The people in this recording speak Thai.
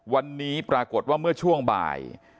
วันนี้ปรากฏว่าเมื่อช่วงบ่าย